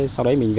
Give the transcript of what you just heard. sau đấy mình về